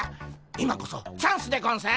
今こそチャンスでゴンス。